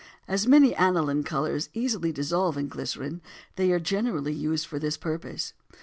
As many aniline colors easily dissolve in glycerin, they are generally used for this purpose.